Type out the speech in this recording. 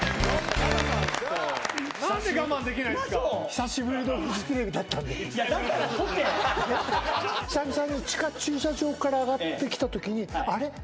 久々に地下駐車場から上がってきたときにあれっ？